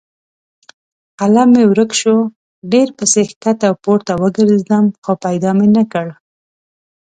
قلم مې ورک شو؛ ډېر پسې کښته پورته وګرځېدم خو پیدا مې نه کړ.